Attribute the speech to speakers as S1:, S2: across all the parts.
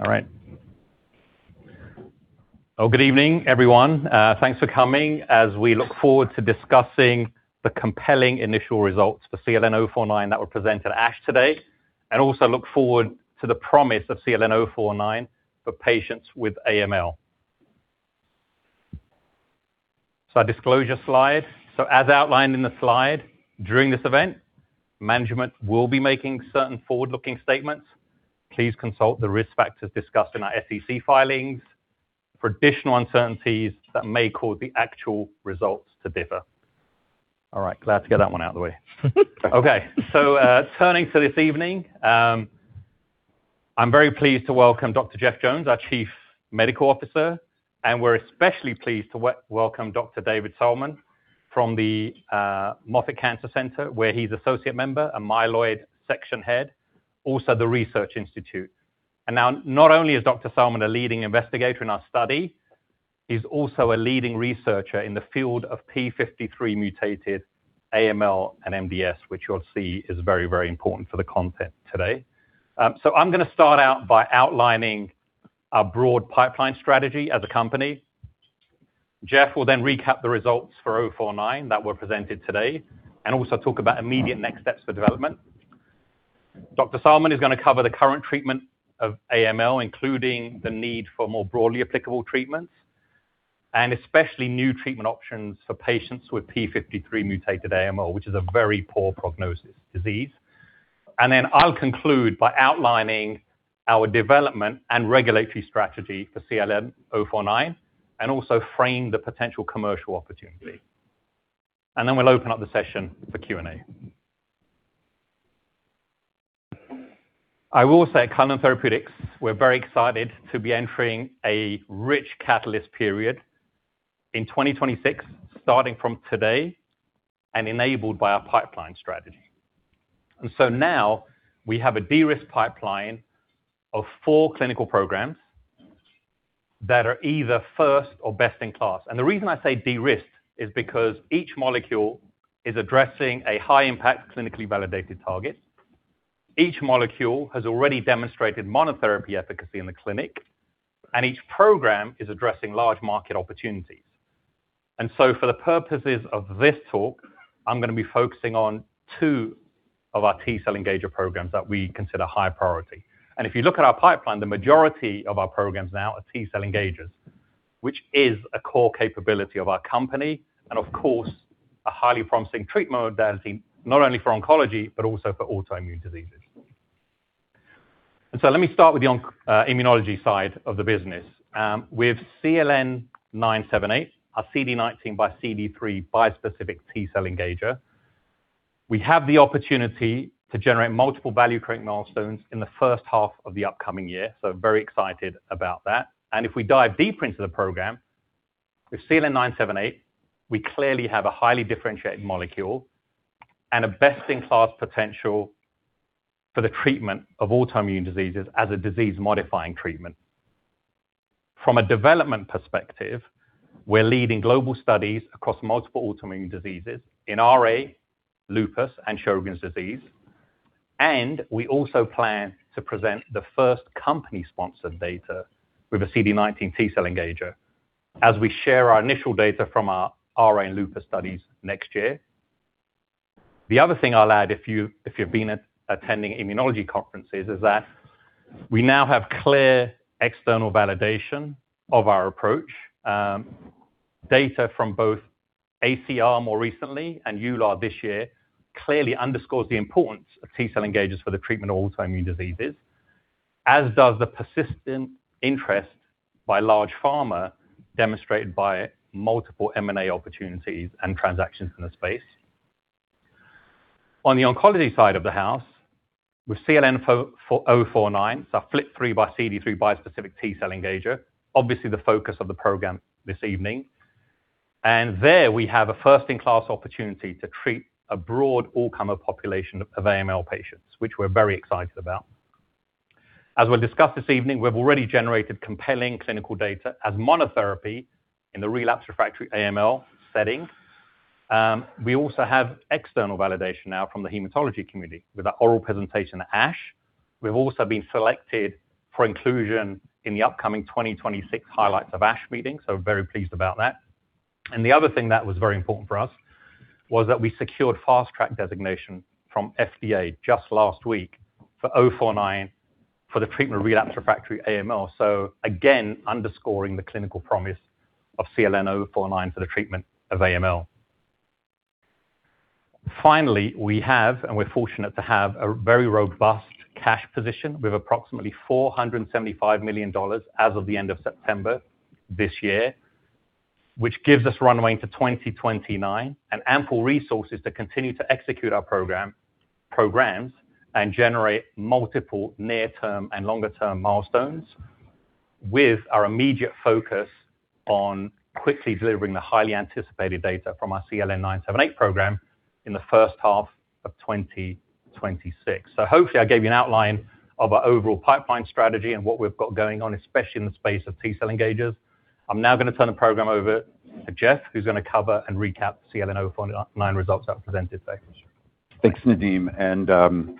S1: All right. Oh, good evening, everyone. Thanks for coming as we look forward to discussing the compelling initial results for CLN-049 that were presented at ASH today, and also look forward to the promise of CLN-049 for patients with AML. So, our disclosure slide. So, as outlined in the slide during this event, management will be making certain forward-looking statements. Please consult the risk factors discussed in our SEC filings for additional uncertainties that may cause the actual results to differ. All right, glad to get that one out of the way. Okay, so, turning to this evening, I'm very pleased to welcome Dr. Jeff Jones, our Chief Medical Officer, and we're especially pleased to welcome Dr. David Sallman from the Moffitt Cancer Center, where he's Associate Member and Myeloid Section Head, also the Research Institute. And now, not only is Dr. Sallman, a leading investigator in our study, he's also a leading researcher in the field of TP53 mutated AML and MDS, which you'll see is very, very important for the content today, so I'm gonna start out by outlining our broad pipeline strategy as a company. Jeff will then recap the results for CLN-049 that were presented today and also talk about immediate next steps for development. Dr. Sallman is gonna cover the current treatment of AML, including the need for more broadly applicable treatments and especially new treatment options for patients with TP53 mutated AML, which is a very poor prognosis disease, and then I'll conclude by outlining our development and regulatory strategy for CLN-049 and also frame the potential commercial opportunity, and then we'll open up the session for Q&A. I will say, Cullinan Therapeutics, we're very excited to be entering a rich catalyst period in 2026, starting from today and enabled by our pipeline strategy. And so now we have a de-risked pipeline of four clinical programs that are either first or best in class. And the reason I say de-risked is because each molecule is addressing a high-impact, clinically validated target. Each molecule has already demonstrated monotherapy efficacy in the clinic, and each program is addressing large market opportunities. And so, for the purposes of this talk, I'm gonna be focusing on two of our T-cell engager programs that we consider high priority. And if you look at our pipeline, the majority of our programs now are T-cell engagers, which is a core capability of our company and, of course, a highly promising treatment modality not only for oncology but also for autoimmune diseases. And so let me start with the onco-immunology side of the business. With CLN-978, our CD19 x CD3 bispecific T-cell engager, we have the opportunity to generate multiple value-creating milestones in the first half of the upcoming year. So, very excited about that. And if we dive deeper into the program with CLN-978, we clearly have a highly differentiated molecule and a best-in-class potential for the treatment of autoimmune diseases as a disease-modifying treatment. From a development perspective, we're leading global studies across multiple autoimmune diseases in RA, lupus, and Sjögren's disease. And we also plan to present the first company-sponsored data with a CD19 T-cell engager as we share our initial data from our RA and lupus studies next year. The other thing I'll add, if you've been attending immunology conferences, is that we now have clear external validation of our approach. Data from both ACR more recently and EULAR this year clearly underscores the importance of T-cell engagers for the treatment of autoimmune diseases, as does the persistent interest by large pharma demonstrated by multiple M&A opportunities and transactions in the space. On the oncology side of the house, with CLN-049, it's our FLT3 x CD3 bispecific T-cell engager, obviously the focus of the program this evening. And there we have a first-in-class opportunity to treat a broad all-comer population of AML patients, which we're very excited about. As we'll discuss this evening, we've already generated compelling clinical data as monotherapy in the relapsed/refractory AML setting. We also have external validation now from the hematology community with our oral presentation at ASH. We've also been selected for inclusion in the upcoming 2026 Highlights of ASH meeting, so very pleased about that. And the other thing that was very important for us was that we secured Fast Track designation from FDA just last week for CLN-049 for the treatment of relapsed/refractory AML. So, again, underscoring the clinical promise of CLN-049 for the treatment of AML. Finally, we have, and we're fortunate to have, a very robust cash position with approximately $475 million as of the end of September this year, which gives us runway into 2029 and ample resources to continue to execute our programs and generate multiple near-term and longer-term milestones with our immediate focus on quickly delivering the highly anticipated data from our CLN-978 program in the first half of 2026. So, hopefully, I gave you an outline of our overall pipeline strategy and what we've got going on, especially in the space of T-cell engagers. I'm now gonna turn the program over to Jeff, who's gonna cover and recap CLN-049 results that were presented today.
S2: Thanks, Nadim. And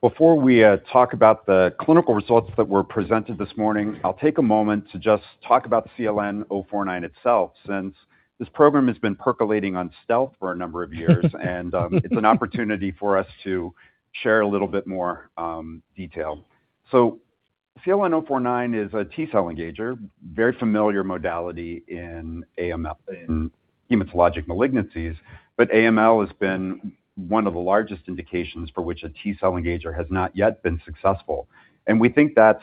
S2: before we talk about the clinical results that were presented this morning, I'll take a moment to just talk about CLN-049 itself, since this program has been percolating in stealth for a number of years, and it's an opportunity for us to share a little bit more detail. So, CLN-049 is a T-cell engager, very familiar modality in AML, in hematologic malignancies, but AML has been one of the largest indications for which a T-cell engager has not yet been successful. And we think that's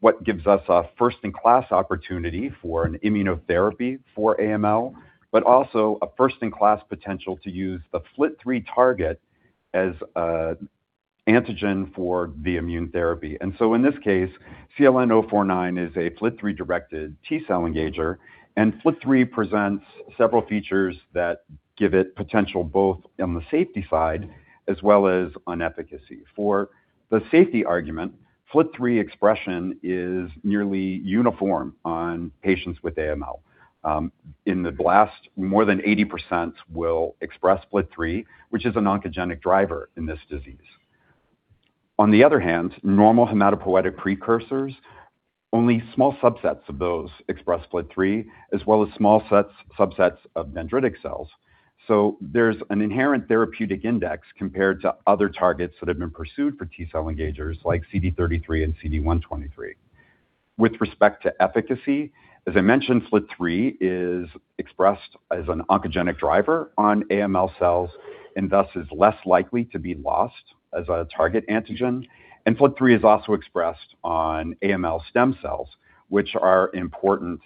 S2: what gives us a first-in-class opportunity for an immunotherapy for AML, but also a first-in-class potential to use the FLT3 target as an antigen for the immune therapy. And so, in this case, CLN-049 is a FLT3-directed T-cell engager, and FLT3 presents several features that give it potential both on the safety side as well as on efficacy. For the safety argument, FLT3 expression is nearly uniform on patients with AML. In the blasts, more than 80% will express FLT3, which is an oncogenic driver in this disease. On the other hand, normal hematopoietic precursors, only small subsets of those express FLT3, as well as small subsets of dendritic cells. So, there's an inherent therapeutic index compared to other targets that have been pursued for T-cell engagers like CD33 and CD123. With respect to efficacy, as I mentioned, FLT3 is expressed as an oncogenic driver on AML cells and thus is less likely to be lost as a target antigen. And FLT3 is also expressed on AML stem cells, which are important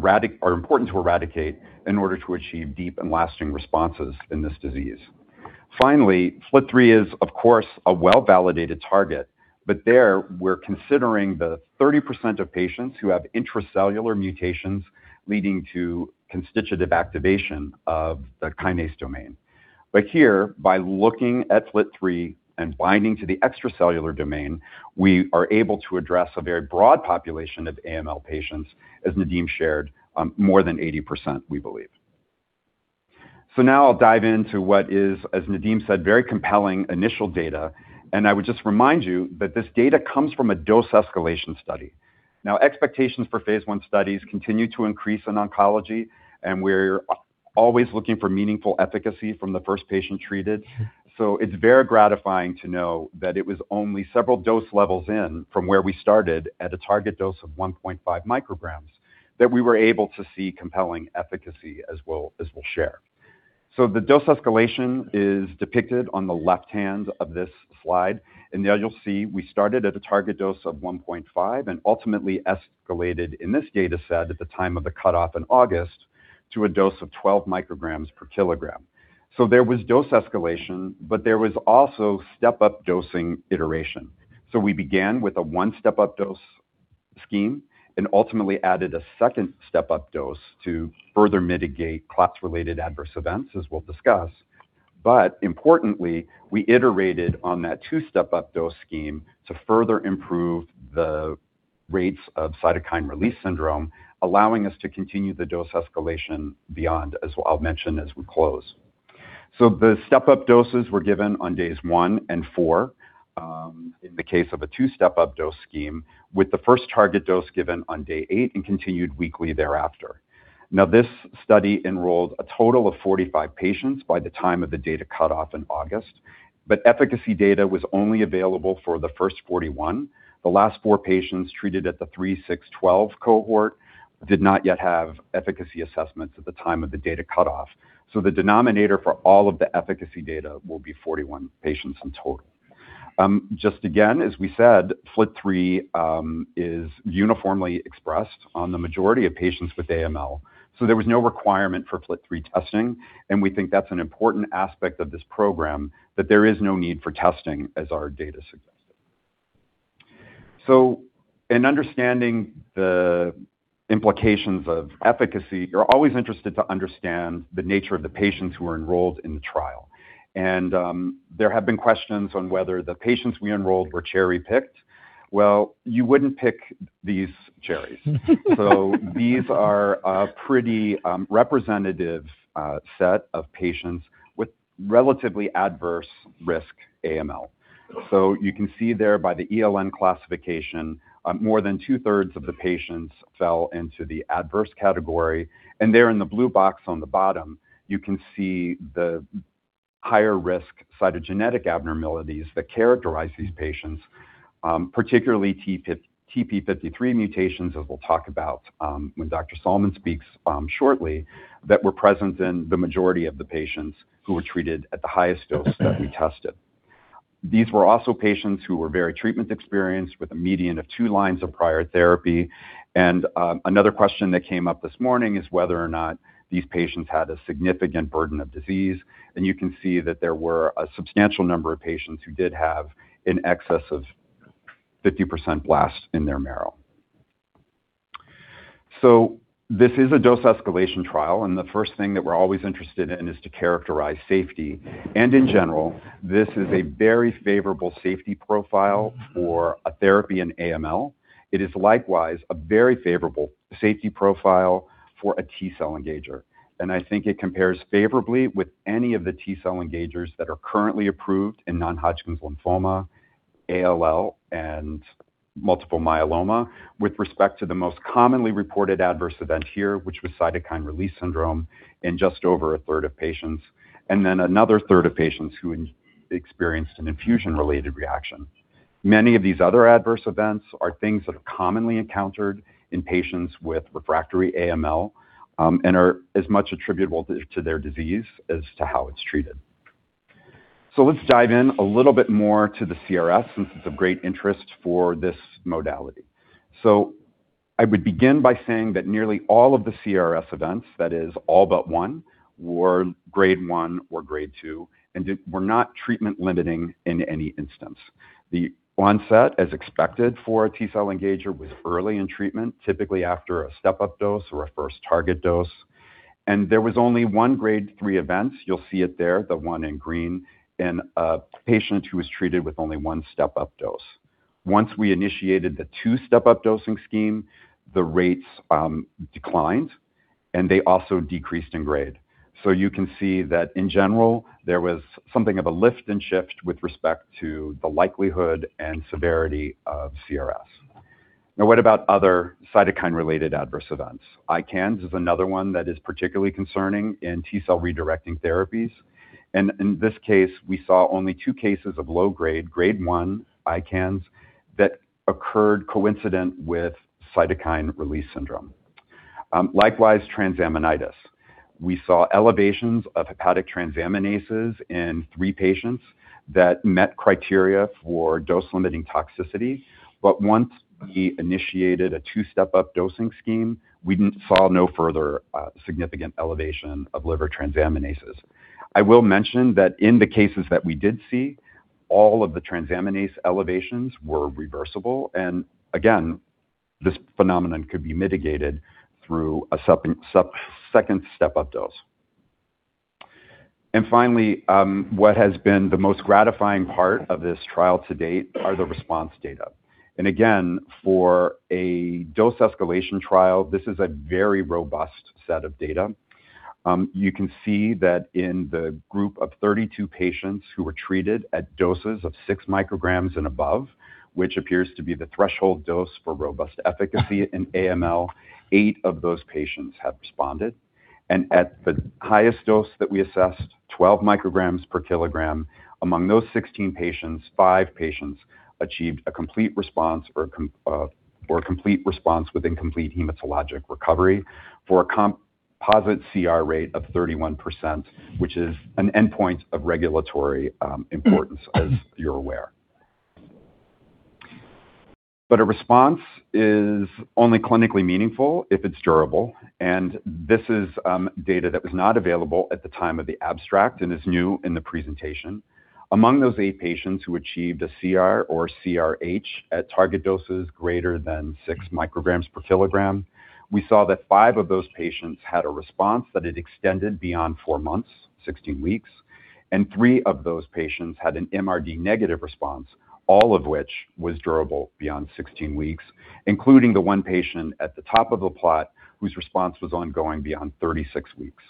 S2: to eradicate in order to achieve deep and lasting responses in this disease. Finally, FLT3 is, of course, a well-validated target, but there we're considering the 30% of patients who have intracellular mutations leading to constitutive activation of the kinase domain, but here, by looking at FLT3 and binding to the extracellular domain, we are able to address a very broad population of AML patients, as Nadim shared, more than 80%, we believe, so now I'll dive into what is, as Nadim said, very compelling initial data, and I would just remind you that this data comes from a dose escalation study. Now, expectations for phase I studies continue to increase in oncology, and we're always looking for meaningful efficacy from the first patient treated, so it's very gratifying to know that it was only several dose levels in from where we started at a target dose of 1.5 mcg that we were able to see compelling efficacy as well as we'll share. The dose escalation is depicted on the left hand of this slide. And there you'll see we started at a target dose of 1.5 and ultimately escalated in this dataset at the time of the cutoff in August to a dose of 12 mcg per kg. There was dose escalation, but there was also step-up dosing iteration. We began with a one-step-up dose scheme and ultimately added a second step-up dose to further mitigate CRS-related adverse events, as we'll discuss. But importantly, we iterated on that two-step-up dose scheme to further improve the rates of cytokine release syndrome, allowing us to continue the dose escalation beyond, as I'll mention as we close. The step-up doses were given on days one and four, in the case of a two-step-up dose scheme, with the first target dose given on day eight and continued weekly thereafter. Now, this study enrolled a total of 45 patients by the time of the data cutoff in August, but efficacy data was only available for the first 41. The last four patients treated at the three, six, 12 cohort did not yet have efficacy assessments at the time of the data cutoff. So the denominator for all of the efficacy data will be 41 patients in total. Just again, as we said, FLT3 is uniformly expressed on the majority of patients with AML. So there was no requirement for FLT3 testing. And we think that's an important aspect of this program, that there is no need for testing, as our data suggested. So, in understanding the implications of efficacy, you're always interested to understand the nature of the patients who are enrolled in the trial. And, there have been questions on whether the patients we enrolled were cherry-picked. You wouldn't pick these cherries. These are a pretty representative set of patients with relatively adverse risk AML. You can see there by the ELN classification, more than two-thirds of the patients fell into the adverse category. There in the blue box on the bottom, you can see the higher risk cytogenetic abnormalities that characterize these patients, particularly TP53 mutations, as we'll talk about when Dr. Sallman speaks shortly, that were present in the majority of the patients who were treated at the highest dose that we tested. These were also patients who were very treatment experienced with a median of two lines of prior therapy. Another question that came up this morning is whether or not these patients had a significant burden of disease. You can see that there were a substantial number of patients who did have an excess of 50% blasts in their marrow. This is a dose escalation trial. The first thing that we're always interested in is to characterize safety. In general, this is a very favorable safety profile for a therapy in AML. It is likewise a very favorable safety profile for a T-cell engager. I think it compares favorably with any of the T-cell engagers that are currently approved in non-Hodgkin's lymphoma, ALL, and multiple myeloma with respect to the most commonly reported adverse event here, which was cytokine release syndrome in just over a third of patients, and then another third of patients who experienced an infusion-related reaction. Many of these other adverse events are things that are commonly encountered in patients with refractory AML, and are as much attributable to their disease as to how it's treated. So let's dive in a little bit more to the CRS, since it's of great interest for this modality. So I would begin by saying that nearly all of the CRS events, that is, all but one, were Grade 1 or Grade 2, and were not treatment-limiting in any instance. The onset, as expected for a T-cell engager, was early in treatment, typically after a step-up dose or a first target dose. And there was only one Grade 3 event. You'll see it there, the one in green, in a patient who was treated with only one step-up dose. Once we initiated the two-step-up dosing scheme, the rates declined, and they also decreased in grade. So you can see that in general, there was something of a lift and shift with respect to the likelihood and severity of CRS. Now, what about other cytokine-related adverse events? ICANS is another one that is particularly concerning in T-cell redirecting therapies. And in this case, we saw only two cases of low-grade, Grade 1 ICANS that occurred coincident with cytokine release syndrome. Likewise, transaminitis. We saw elevations of hepatic transaminases in three patients that met criteria for dose-limiting toxicity. But once we initiated a two-step-up dosing scheme, we saw no further, significant elevation of liver transaminases. I will mention that in the cases that we did see, all of the transaminase elevations were reversible. And again, this phenomenon could be mitigated through a second step-up dose. And finally, what has been the most gratifying part of this trial to date are the response data. And again, for a dose escalation trial, this is a very robust set of data. You can see that in the group of 32 patients who were treated at doses of six mcg and above, which appears to be the threshold dose for robust efficacy in AML, eight of those patients have responded. And at the highest dose that we assessed, 12 mcg per kg, among those 16 patients, five patients achieved a complete response or a complete response with incomplete hematologic recovery for a composite CR rate of 31%, which is an endpoint of regulatory importance, as you're aware. But a response is only clinically meaningful if it's durable. And this is data that was not available at the time of the abstract and is new in the presentation. Among those eight patients who achieved a CR or CRh at target doses greater than six mcg per kg, we saw that five of those patients had a response that had extended beyond four months, 16 weeks, and three of those patients had an MRD negative response, all of which was durable beyond 16 weeks, including the one patient at the top of the plot whose response was ongoing beyond 36 weeks.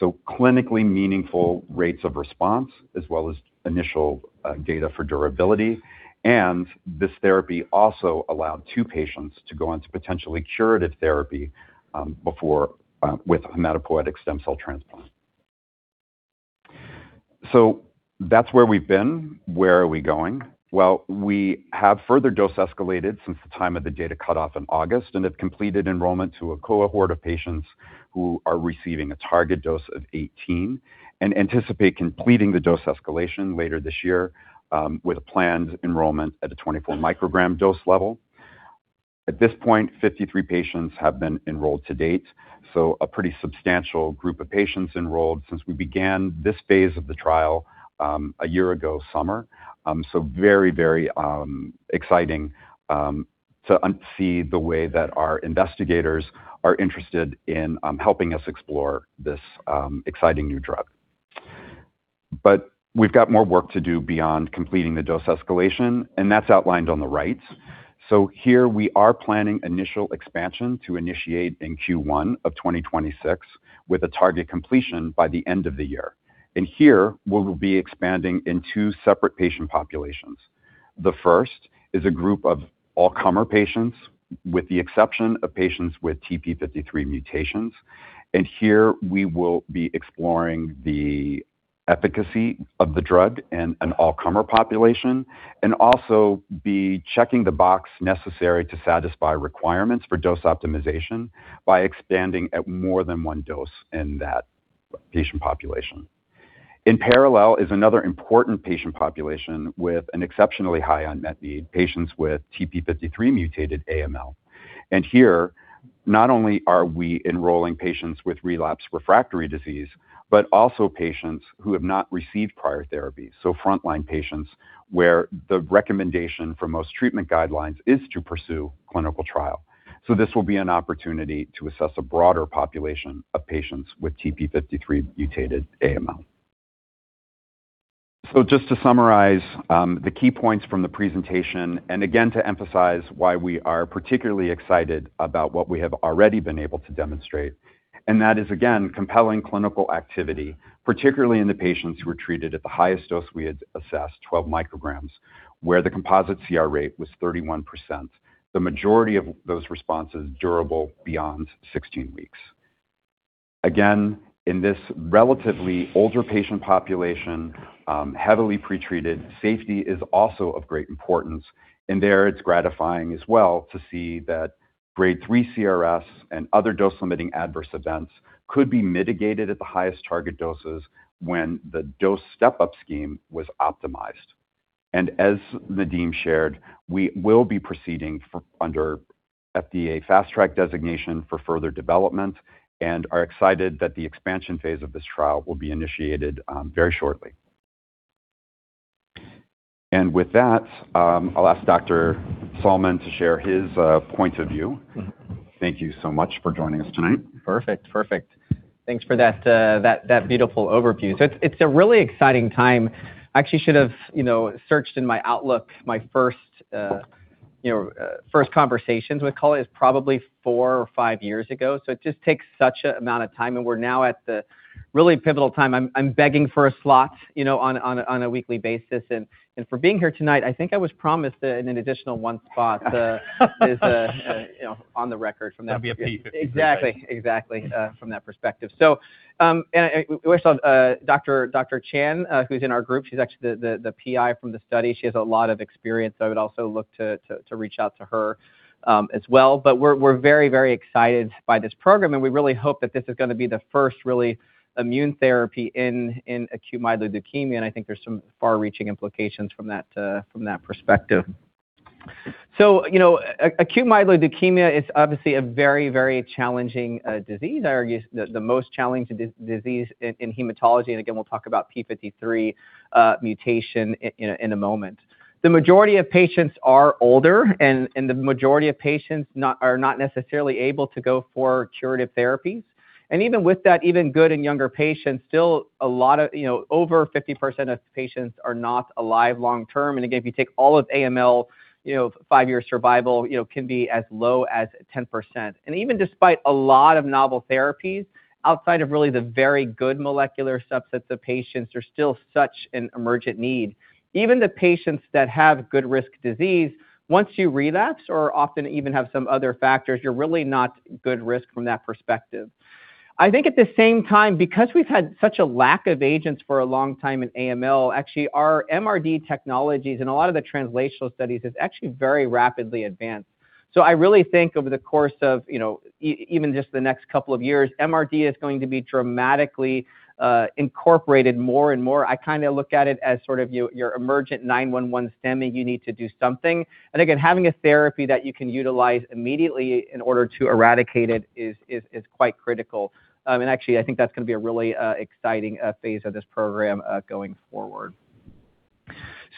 S2: So clinically meaningful rates of response, as well as initial data for durability. And this therapy also allowed two patients to go on to potentially curative therapy, before, with hematopoietic stem cell transplant. So that's where we've been. Where are we going? Well, we have further dose escalated since the time of the data cutoff in August and have completed enrollment to a cohort of patients who are receiving a target dose of 18 and anticipate completing the dose escalation later this year, with a planned enrollment at a 24 mcg dose level. At this point, 53 patients have been enrolled to date. So a pretty substantial group of patients enrolled since we began this phase of the trial, a year ago summer. So very, very exciting to see the way that our investigators are interested in helping us explore this exciting new drug. But we've got more work to do beyond completing the dose escalation, and that's outlined on the right. So here we are planning initial expansion to initiate in Q1 of 2026 with a target completion by the end of the year. Here we'll be expanding into separate patient populations. The first is a group of all-comer patients, with the exception of patients with TP53 mutations. We will be exploring the efficacy of the drug in an all-comer population and also be checking the box necessary to satisfy requirements for dose optimization by expanding at more than one dose in that patient population. In parallel is another important patient population with an exceptionally high unmet need: patients with TP53 mutated AML. Not only are we enrolling patients with relapsed/refractory disease, but also patients who have not received prior therapy. Frontline patients where the recommendation for most treatment guidelines is to pursue clinical trial. This will be an opportunity to assess a broader population of patients with TP53 mutated AML. Just to summarize, the key points from the presentation and again to emphasize why we are particularly excited about what we have already been able to demonstrate, and that is, again, compelling clinical activity, particularly in the patients who were treated at the highest dose we had assessed, 12 mcg, where the composite CR rate was 31%. The majority of those responses durable beyond 16 weeks. Again, in this relatively older patient population, heavily pretreated, safety is also of great importance, and there it's gratifying as well to see that Grade 3 CRS and other dose-limiting adverse events could be mitigated at the highest target doses when the dose step-up scheme was optimized, and as Nadim shared, we will be proceeding forward under FDA Fast Track designation for further development and are excited that the expansion phase of this trial will be initiated very shortly. And with that, I'll ask Dr. Sallman to share his point of view. Thank you so much for joining us tonight.
S3: Perfect. Thanks for that beautiful overview. So it's a really exciting time. I actually should have, you know, searched in my Outlook, my first, you know, conversations with Cullinan is probably four or five years ago. So it just takes such an amount of time. And we're now at the really pivotal time. I'm begging for a slot, you know, on a weekly basis. And for being here tonight, I think I was promised an additional one spot is, you know, on the record from that perspective. That'd be a TP53. Exactly, from that perspective. So, and I wish I'll Dr. Chan, who's in our group, she's actually the PI from the study. She has a lot of experience. I would also look to reach out to her, as well. But we're very, very excited by this program. And we really hope that this is going to be the first really immune therapy in acute myeloid leukemia. And I think there's some far-reaching implications from that perspective. So, you know, acute myeloid leukemia is obviously a very, very challenging disease. I argue the most challenging disease in hematology. And again, we'll talk about TP53 mutation in a moment. The majority of patients are older, and the majority of patients are not necessarily able to go for curative therapies. And even with that, even good and younger patients, still a lot of, you know, over 50% of patients are not alive long term. Again, if you take all of AML, you know, five-year survival, you know, can be as low as 10%. Even despite a lot of novel therapies, outside of really the very good molecular subsets of patients, there's still such an emergent need. Even the patients that have good risk disease, once you relapse or often even have some other factors, you're really not good risk from that perspective. I think at the same time, because we've had such a lack of agents for a long time in AML, actually our MRD technologies and a lot of the translational studies have actually very rapidly advanced. I really think over the course of, you know, even just the next couple of years, MRD is going to be dramatically incorporated more and more. I kind of look at it as sort of your emergent 911 system. You need to do something. And again, having a therapy that you can utilize immediately in order to eradicate it is quite critical, and actually, I think that's going to be a really exciting phase of this program, going forward,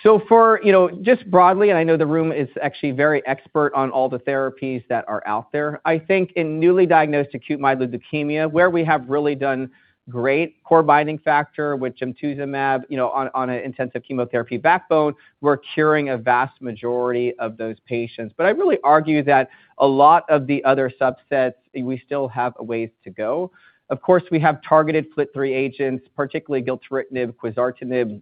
S3: so for, you know, just broadly, and I know the room is actually very expert on all the therapies that are out there, I think in newly diagnosed acute myeloid leukemia, where we have really done great core-binding factor, which gemtuzumab, you know, on an intensive chemotherapy backbone, we're curing a vast majority of those patients. But I really argue that a lot of the other subsets, we still have a ways to go. Of course, we have targeted FLT3 agents, particularly gilteritinib, quizartinib.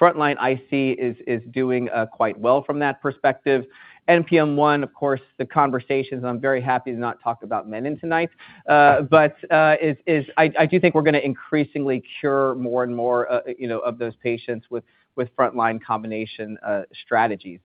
S3: Frontline IC is doing quite well from that perspective. NPM1, of course, the conversations, and I'm very happy to not talk about menin tonight, but is, I do think we're going to increasingly cure more and more, you know, of those patients with frontline combination strategies.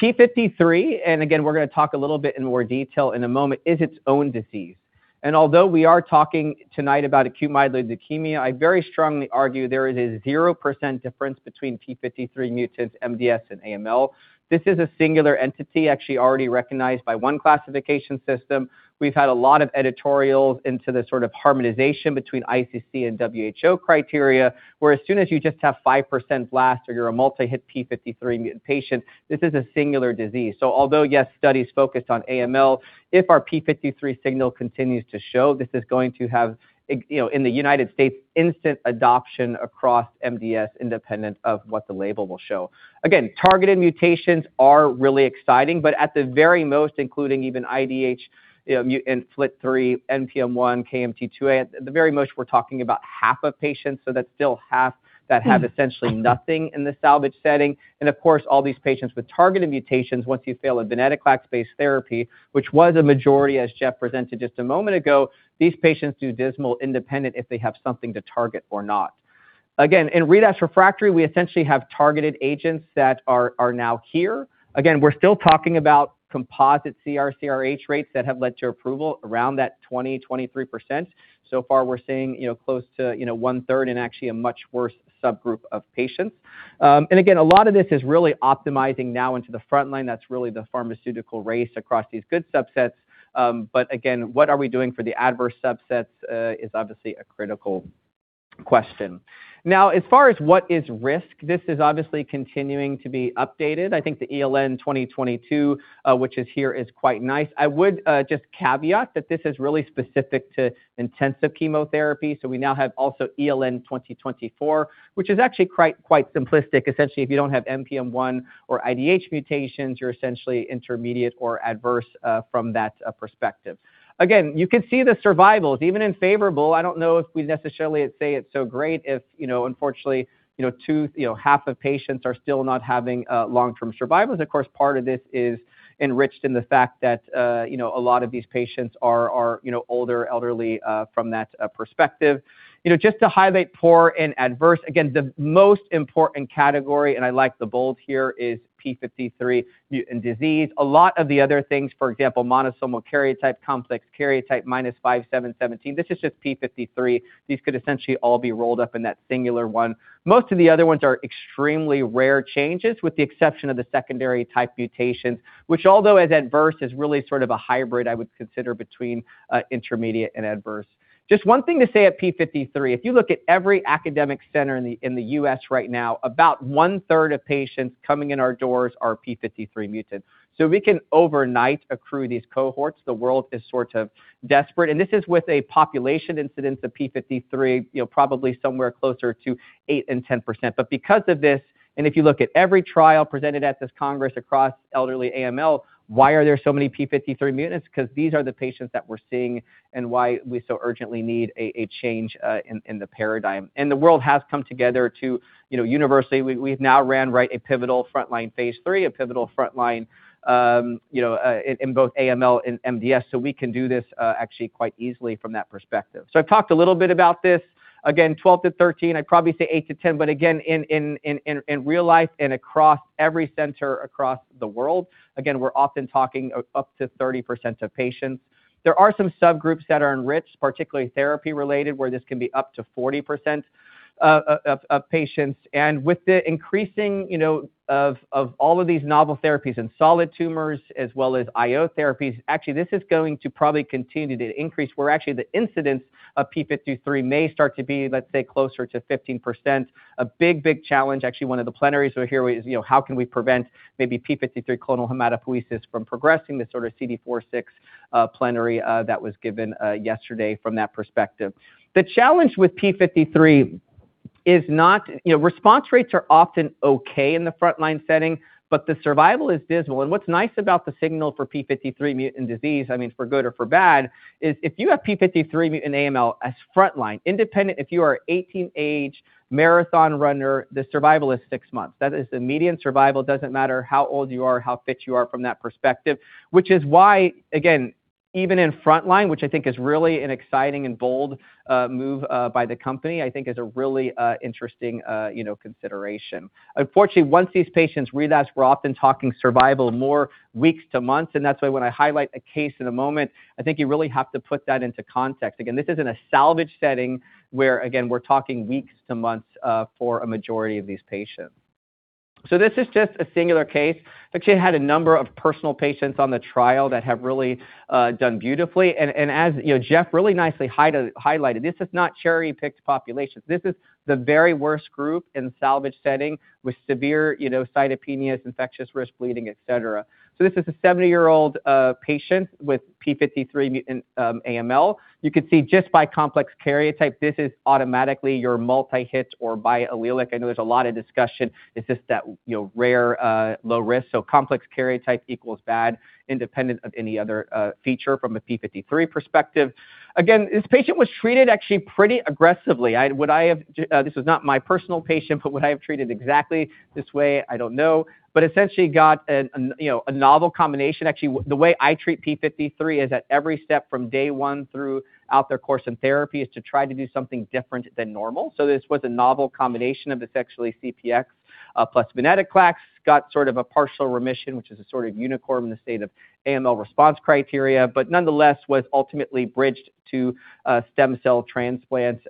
S3: p53, and again, we're going to talk a little bit in more detail in a moment, is its own disease. Although we are talking tonight about acute myeloid leukemia, I very strongly argue there is a 0% difference between p53 mutants, MDS, and AML. This is a singular entity, actually already recognized by one classification system. We've had a lot of editorials into the sort of harmonization between ICC and WHO criteria, where as soon as you just have 5% blast or you're a multi-hit p53 patient, this is a singular disease. So although, yes, studies focused on AML, if our TP53 signal continues to show, this is going to have, you know, in the United States, instant adoption across MDS, independent of what the label will show. Again, targeted mutations are really exciting, but at the very most, including even IDH, you know, mutant FLT3, NPM1, KMT2A, at the very most, we're talking about half of patients. So that's still half that have essentially nothing in the salvage setting. And of course, all these patients with targeted mutations, once you fail a venetoclax-based therapy, which was a majority, as Jeff presented just a moment ago, these patients do dismal independent if they have something to target or not. Again, in relapsed/refractory, we essentially have targeted agents that are now here. Again, we're still talking about composite CR/CRh rates that have led to approval around that 20%-23%. So far, we're seeing, you know, close to, you know, one-third and actually a much worse subgroup of patients. And again, a lot of this is really optimizing now into the frontline. That's really the pharmaceutical race across these good subsets. But again, what are we doing for the adverse subsets is obviously a critical question. Now, as far as what is risk, this is obviously continuing to be updated. I think the ELN 2022, which is here, is quite nice. I would just caveat that this is really specific to intensive chemotherapy. So we now have also ELN 2024, which is actually quite quite simplistic. Essentially, if you don't have NPM1 or IDH mutations, you're essentially intermediate or adverse, from that perspective. Again, you can see the survivals, even in favorable. I don't know if we necessarily say it's so great if, you know, unfortunately, you know, too, you know, half of patients are still not having long-term survival. Of course, part of this is enriched in the fact that, you know, a lot of these patients are you know older elderly from that perspective. You know, just to highlight poor and adverse, again, the most important category, and I like the bold here, is TP53 mutant disease. A lot of the other things, for example, monosomal karyotype, complex karyotype, minus five, seven, 17, this is just TP53. These could essentially all be rolled up in that singular one. Most of the other ones are extremely rare changes with the exception of the secondary type mutations, which although as adverse is really sort of a hybrid, I would consider between intermediate and adverse. Just one thing to say at TP53, if you look at every academic center in the U.S. right now, about one-third of patients coming in our doors are TP53 mutant. So we can overnight accrue these cohorts. The world is sort of desperate. And this is with a population incidence of TP53, you know, probably somewhere closer to 8%-10%. But because of this, and if you look at every trial presented at this Congress across elderly AML, why are there so many TP53 mutants? Because these are the patients that we're seeing and why we so urgently need a change in the paradigm. And the world has come together to, you know, universally, we've now run a pivotal frontline phase III, a pivotal frontline, you know, in both AML and MDS. So we can do this, actually quite easily from that perspective. So I've talked a little bit about this. Again, 12-13, I'd probably say 8-10, but again, in real life and across every center across the world, again, we're often talking up to 30% of patients. There are some subgroups that are enriched, particularly therapy-related, where this can be up to 40% of patients. And with the increasing, you know, of all of these novel therapies in solid tumors as well as IO therapies, actually, this is going to probably continue to increase. Where actually the incidence of p53 may start to be, let's say, closer to 15%. A big, big challenge, actually, one of the plenaries we're here with is, you know, how can we prevent maybe p53 clonal hematopoiesis from progressing, this sort of CDK4/6 plenary that was given yesterday from that perspective. The challenge with TP53 is not, you know, response rates are often okay in the frontline setting, but the survival is dismal. What's nice about the signal for TP53 mutant disease, I mean, for good or for bad, is if you have TP53 mutant AML as frontline, independent, if you are an 18-year-old marathon runner, the survival is six months. That is the median survival. It doesn't matter how old you are, how fit you are from that perspective, which is why, again, even in frontline, which I think is really an exciting and bold move by the company, I think is a really interesting, you know, consideration. Unfortunately, once these patients relapse, we're often talking survival more weeks to months. That's why when I highlight a case in a moment, I think you really have to put that into context. Again, this is in a salvage setting where, again, we're talking weeks to months for a majority of these patients. So this is just a singular case. Actually, I had a number of personal patients on the trial that have really done beautifully. And as, you know, Jeff really nicely highlighted, this is not cherry-picked populations. This is the very worst group in salvage setting with severe, you know, cytopenias, infectious risk, bleeding, et cetera. So this is a 70-year-old patient with TP53 mutant AML. You could see just by complex karyotype, this is automatically your multi-hit or biallelic. I know there's a lot of discussion. It's just that, you know, rare, low risk. So complex karyotype equals bad, independent of any other, feature from a TP53 perspective. Again, this patient was treated actually pretty aggressively. Would I have treated this patient exactly this way? This was not my personal patient. I don't know. But essentially [the patient] got a, you know, a novel combination. Actually, the way I treat p53 is at every step from day one throughout their course in therapy is to try to do something different than normal. So this was a novel combination of CPX-351 plus venetoclax, got sort of a partial remission, which is a sort of unicorn in the setting of AML response criteria, but nonetheless was ultimately bridged to a stem cell transplant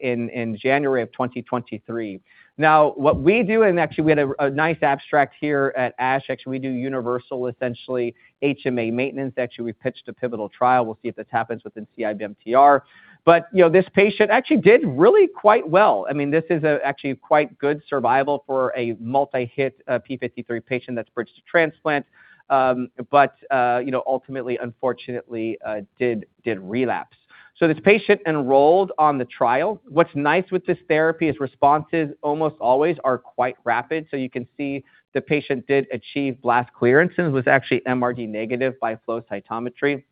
S3: in January of 2023. Now, what we do, and actually we had a nice abstract here at ASH. Actually, we do universal essentially HMA maintenance. Actually, we pitched a pivotal trial. We'll see if this happens within CIBMTR. This patient actually did really quite well. I mean, this is actually quite good survival for a multi-hit p53 patient that's bridged to transplant, but, you know, ultimately, unfortunately, did relapse, so this patient enrolled on the trial. What's nice with this therapy is responses almost always are quite rapid, so you can see the patient did achieve blast clearance and was actually MRD negative by flow cytometry.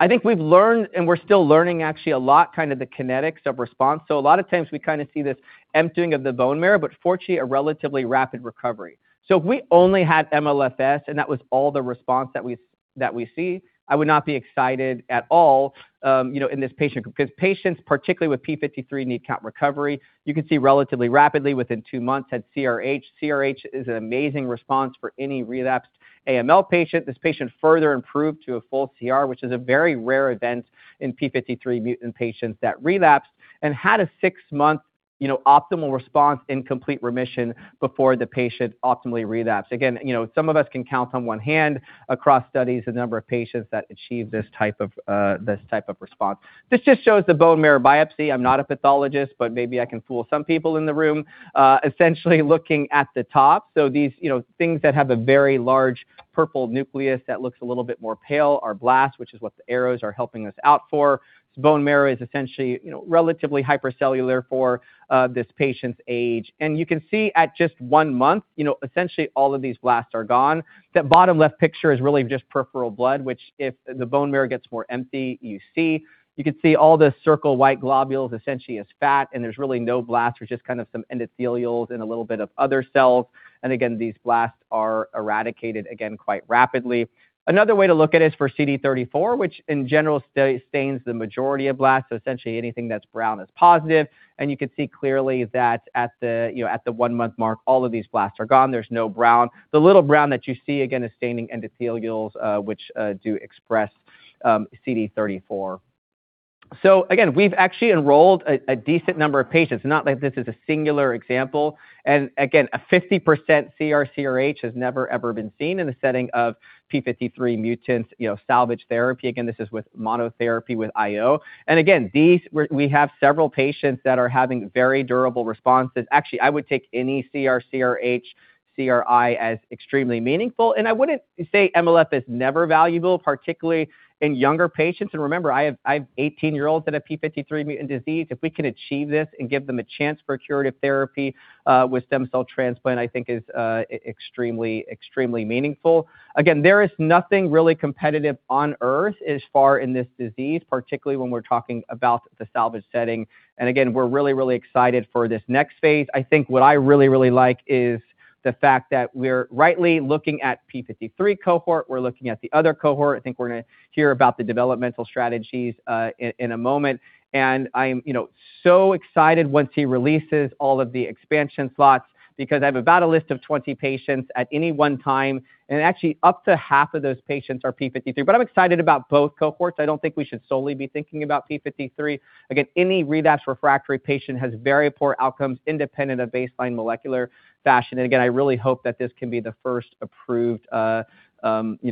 S3: I think we've learned and we're still learning actually a lot, kind of the kinetics of response. So a lot of times we kind of see this emptying of the bone marrow, but fortunately a relatively rapid recovery. So if we only had MLFS and that was all the response that we see, I would not be excited at all, you know, in this patient group because patients, particularly with p53, need count recovery. You can see relatively rapidly within two months had CRh. CRh is an amazing response for any relapsed AML patient. This patient further improved to a full CR, which is a very rare event in TP53 mutant patients that relapsed and had a six-month, you know, optimal response in complete remission before the patient optimally relapsed. Again, you know, some of us can count on one hand across studies the number of patients that achieve this type of, this type of response. This just shows the bone marrow biopsy. I'm not a pathologist, but maybe I can fool some people in the room, essentially looking at the top. So these, you know, things that have a very large purple nucleus that looks a little bit more pale are blasts, which is what the arrows are helping us out for. Bone marrow is essentially, you know, relatively hypercellular for, this patient's age. You can see at just one month, you know, essentially all of these blasts are gone. That bottom left picture is really just peripheral blood, which if the bone marrow gets more empty, you see, you can see all the clear white globules essentially as fat, and there's really no blasts, which is kind of some endothelial and a little bit of other cells. Again, these blasts are eradicated quite rapidly. Another way to look at it is for CD34, which in general stains the majority of blasts. So essentially anything that's brown is positive. You can see clearly that at the, you know, one-month mark, all of these blasts are gone. There's no brown. The little brown that you see again is staining endothelial, which do express CD34. So again, we've actually enrolled a decent number of patients. Not like this is a singular example. And again, a 50% CR/CRh has never, ever been seen in the setting of TP53 mutants, you know, salvage therapy. Again, this is with monotherapy with IO. And again, these we have several patients that are having very durable responses. Actually, I would take any CR/CRh, CRi as extremely meaningful. And I wouldn't say MLFS is never valuable, particularly in younger patients. And remember, I have 18-year-olds that have TP53 mutant disease. If we can achieve this and give them a chance for curative therapy, with stem cell transplant, I think is extremely, extremely meaningful. Again, there is nothing really competitive on earth as far in this disease, particularly when we're talking about the salvage setting. And again, we're really, really excited for this next phase. I think what I really, really like is the fact that we're rightly looking at TP53 cohort. We're looking at the other cohort. I think we're going to hear about the developmental strategies in a moment, and I'm, you know, so excited once he releases all of the expansion slots because I have about a list of 20 patients at any one time. And actually up to half of those patients are TP53. But I'm excited about both cohorts. I don't think we should solely be thinking about TP53. Again, any relapsed/refractory patient has very poor outcomes independent of baseline molecular features. And again, I really hope that this can be the first approved, you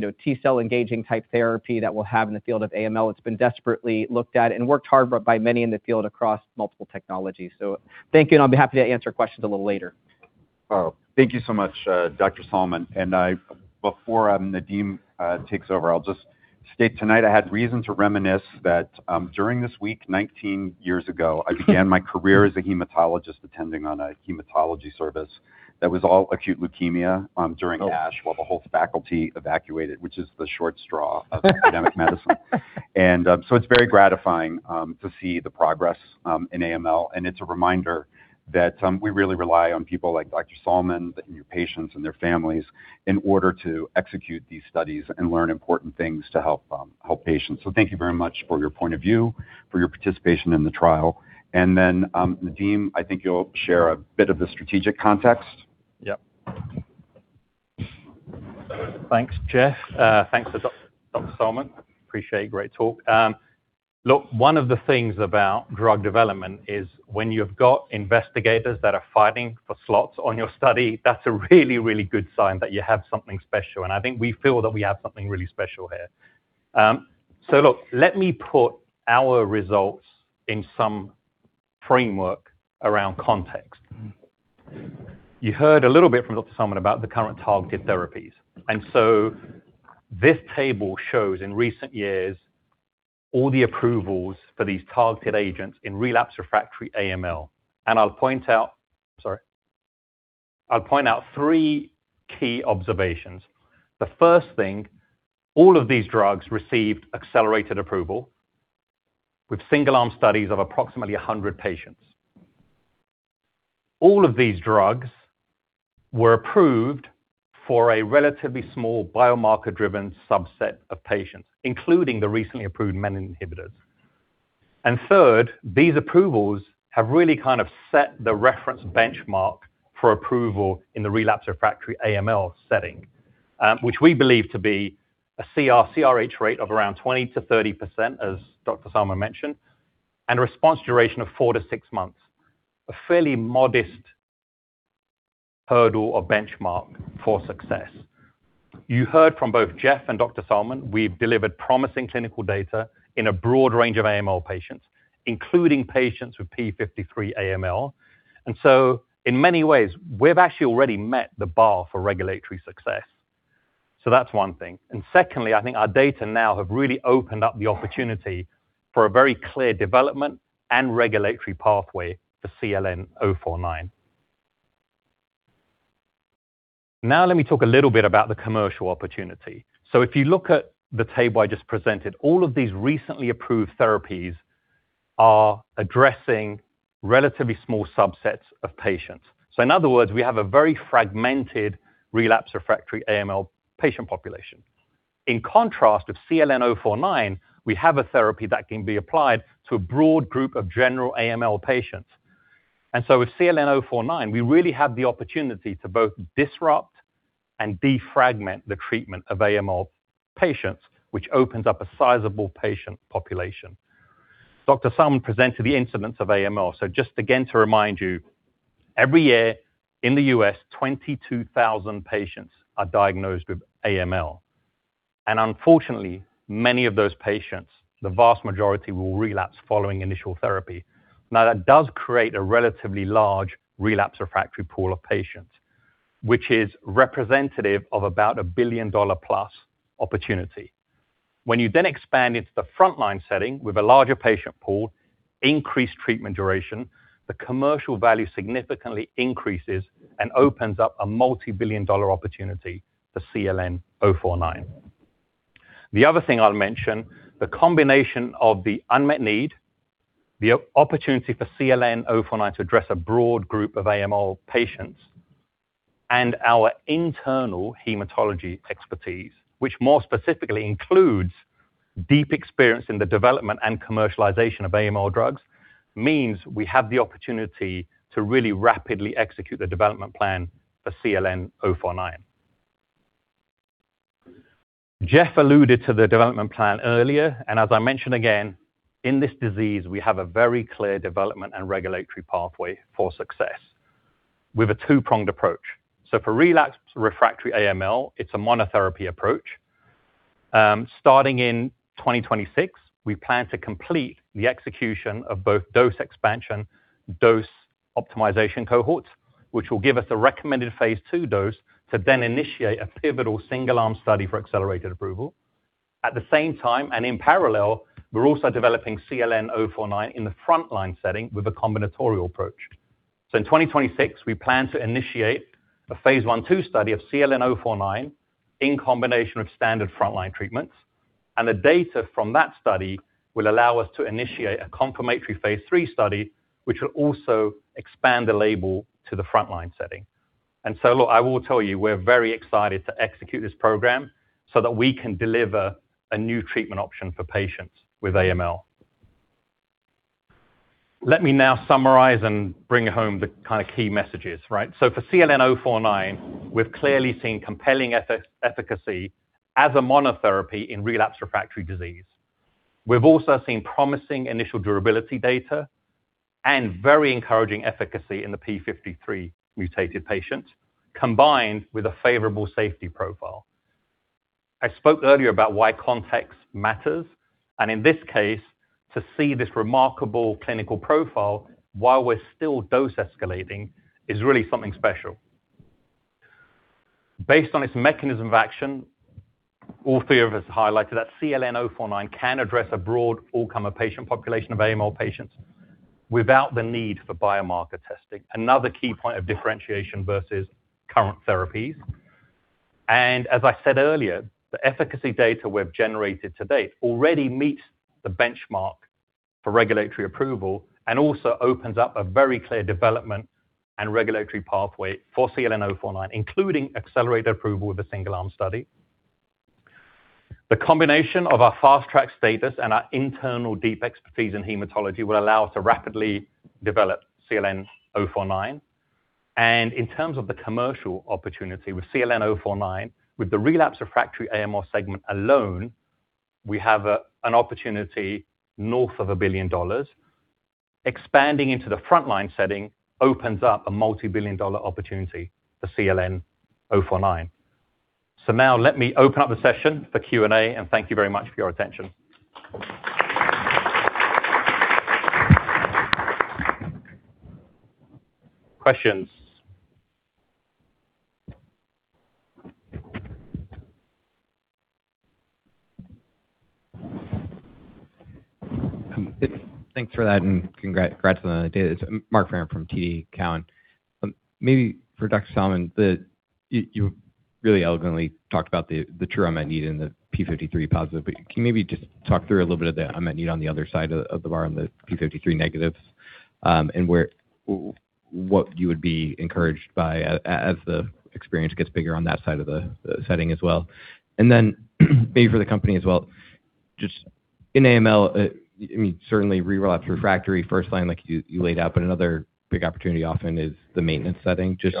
S3: know, T-cell engaging type therapy that we'll have in the field of AML. It's been desperately looked at and worked hard by many in the field across multiple technologies. So thank you. I'll be happy to answer questions a little later.
S2: Oh, thank you so much, Dr. Sallman. Before Nadim takes over, I'll just state tonight I had reason to reminisce that, during this week, 19 years ago, I began my career as a hematologist attending on a hematology service that was all acute leukemia, during ASH while the whole faculty evacuated, which is the short straw of academic medicine. It's very gratifying to see the progress in AML. It's a reminder that we really rely on people like Dr. Sallman, your patients and their families in order to execute these studies and learn important things to help patients. Thank you very much for your point of view, for your participation in the trial. Nadim, I think you'll share a bit of the strategic context.
S1: Yep. Thanks, Jeff. Thanks for Dr. Sallman. appreciate a great talk. Look, one of the things about drug development is when you've got investigators that are fighting for slots on your study, that's a really, really good sign that you have something special, and I think we feel that we have something really special here, so look, let me put our results in some framework around context. You heard a little bit from Dr. Sallman about the current targeted therapies, and so this table shows in recent years all the approvals for these targeted agents in relapsed/refractory AML, and I'll point out, sorry, I'll point out three key observations. The first thing, all of these drugs received accelerated approval with single-arm studies of approximately 100 patients. All of these drugs were approved for a relatively small biomarker-driven subset of patients, including the recently approved menin inhibitors. Third, these approvals have really kind of set the reference benchmark for approval in the relapsed/refractory AML setting, which we believe to be a CR/CRh rate of around 20%-30%, as Dr. Sallman mentioned, and a response duration of four to six months, a fairly modest hurdle or benchmark for success. You heard from both Jeff and Dr. Sallman, we've delivered promising clinical data in a broad range of AML patients, including patients with TP53 AML. And so in many ways, we've actually already met the bar for regulatory success. So that's one thing. And secondly, I think our data now have really opened up the opportunity for a very clear development and regulatory pathway for CLN-049. Now let me talk a little bit about the commercial opportunity. So if you look at the table I just presented, all of these recently approved therapies are addressing relatively small subsets of patients. So in other words, we have a very fragmented relapsed/refractory AML patient population. In contrast to CLN-049, we have a therapy that can be applied to a broad group of general AML patients. And so with CLN-049, we really have the opportunity to both disrupt and defragment the treatment of AML patients, which opens up a sizable patient population. Dr. Sallman presented the incidence of AML. So just again to remind you, every year in the U.S., 22,000 patients are diagnosed with AML. And unfortunately, many of those patients, the vast majority will relapse following initial therapy. Now that does create a relatively large relapsed/refractory pool of patients, which is representative of about a $1 billion plus opportunity. When you then expand into the frontline setting with a larger patient pool, increased treatment duration, the commercial value significantly increases and opens up a multi-billion-dollar opportunity for CLN-049. The other thing I'll mention, the combination of the unmet need, the opportunity for CLN-049 to address a broad group of AML patients and our internal hematology expertise, which more specifically includes deep experience in the development and commercialization of AML drugs, means we have the opportunity to really rapidly execute the development plan for CLN-049. Jeff alluded to the development plan earlier. And as I mentioned again, in this disease, we have a very clear development and regulatory pathway for success with a two-pronged approach. So for relapsed/refractory AML, it's a monotherapy approach. Starting in 2026, we plan to complete the execution of both dose expansion dose optimization cohorts, which will give us a recommended phase II dose to then initiate a pivotal single-arm study for accelerated approval. At the same time, and in parallel, we're also developing CLN-049 in the frontline setting with a combinatorial approach. In 2026, we plan to initiate a phase I/II study of CLN-049 in combination with standard frontline treatments. The data from that study will allow us to initiate a confirmatory phase III study, which will also expand the label to the frontline setting. Look, I will tell you, we're very excited to execute this program so that we can deliver a new treatment option for patients with AML. Let me now summarize and bring home the kind of key messages, right? So for CLN-049, we've clearly seen compelling efficacy as a monotherapy in relapsed/refractory disease. We've also seen promising initial durability data and very encouraging efficacy in the TP53 mutated patients combined with a favorable safety profile. I spoke earlier about why context matters. And in this case, to see this remarkable clinical profile while we're still dose escalating is really something special. Based on its mechanism of action, all three of us highlighted that CLN-049 can address a broad all-comer patient population of AML patients without the need for biomarker testing. Another key point of differentiation versus current therapies. And as I said earlier, the efficacy data we've generated to date already meets the benchmark for regulatory approval and also opens up a very clear development and regulatory pathway for CLN-049, including accelerated approval with a single-arm study. The combination of our fast track status and our internal deep expertise in hematology will allow us to rapidly develop CLN-049, and in terms of the commercial opportunity with CLN-049, with the relapsed/refractory AML segment alone, we have an opportunity north of $1 billion. Expanding into the frontline setting opens up a multi-billion-dollar opportunity for CLN-049, so now let me open up the session for Q&A and thank you very much for your attention. Questions.
S4: Thanks for that and congrats on the data. It's Marc Frahm from TD Cowen. Maybe for Dr. Sallman, you really elegantly talked about the true unmet need in the TP53 positive, but can you maybe just talk through a little bit of the unmet need on the other side of the bar on the TP53 negatives and what you would be encouraged by as the experience gets bigger on that side of the setting as well. And then maybe for the company as well, just in AML, I mean, certainly relapsed/refractory first line, like you laid out, but another big opportunity often is the maintenance setting. Just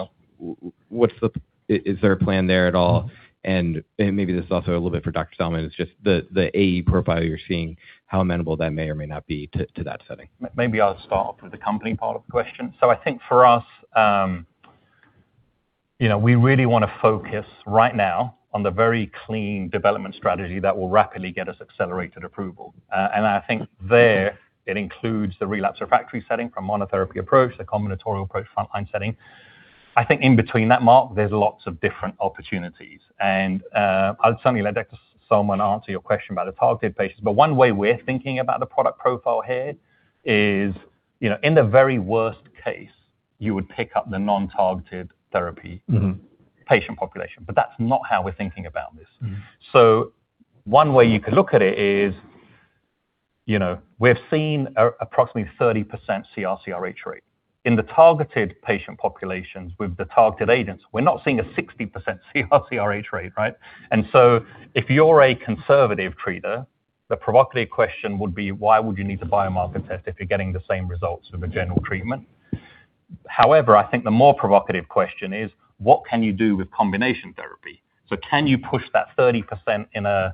S4: what's the, is there a plan there at all? And maybe this is also a little bit for Dr. Sallman, it's just the AE profile you're seeing, how amenable that may or may not be to that setting.
S1: Maybe I'll start off with the company part of the question. So I think for us, you know, we really want to focus right now on the very clean development strategy that will rapidly get us accelerated approval. And I think there it includes the relapsed/refractory setting from monotherapy approach, the combinatorial approach, frontline setting. I think in between that mark, there's lots of different opportunities. And I'll certainly let Dr. Sallman answer your question about the targeted patients. But one way we're thinking about the product profile here is, you know, in the very worst case, you would pick up the non-targeted therapy patient population, but that's not how we're thinking about this. So one way you could look at it is, you know, we've seen approximately 30% CR/CRh rate. In the targeted patient populations with the targeted agents, we're not seeing a 60% CR/CRh rate, right? If you're a conservative treater, the provocative question would be, why would you need to biomarker test if you're getting the same results with a general treatment? However, I think the more provocative question is, what can you do with combination therapy? Can you push that 30% in an